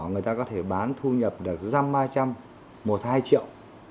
người ta có thể bán thu nhập được răm hai trăm một hai triệu